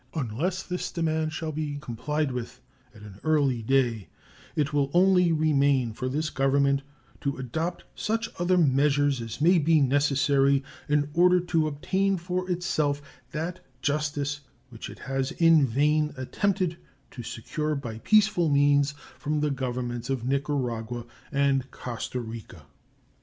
Unless this demand shall be complied with at an early day it will only remain for this Government to adopt such other measures as may be necessary in order to obtain for itself that justice which it has in vain attempted to secure by peaceful means from the Governments of Nicaragua and Costa Rica.